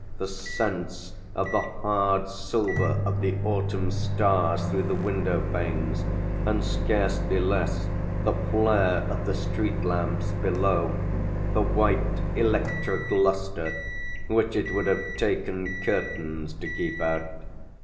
the sense of the hard silver of the autumn stars through the window panes, and scarcely less the flare of the street lamps below, the white electric lustre which it would have taken curtains to keep out.